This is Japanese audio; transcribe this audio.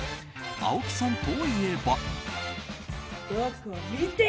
青木さんといえば。